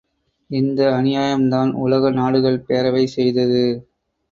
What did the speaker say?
இந்த அநியாயம்தான் உலக நாடுகள் பேரவை செய்தது!